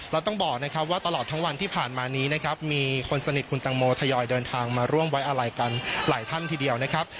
และต้องบอกนะครับว่าตลอดทั้งวันที่ผ่านมานี้นะครับมีคนสนิทคุณตังโมทยอยเดินทางมาร่วมไว้อะไรกันหลายท่านทีเดียวนะครับ